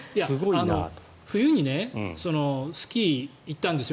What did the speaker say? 冬にスキーに行ったんですよ。